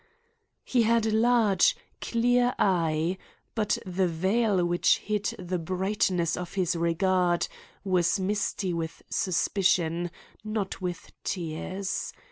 He had a large, clear eye, but the veil which hid the brightness of his regard was misty with suspicion, not with tears.